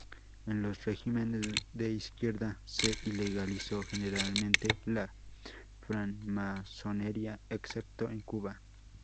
En los regímenes de izquierda se ilegalizó generalmente la francmasonería, excepto en Cuba.